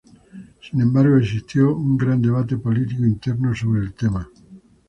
Sin embargo, existió un gran debate político interno sobre el tema.